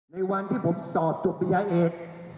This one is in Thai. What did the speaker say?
ในวันที่ผมสอดจุดปีไอ้เอ็ด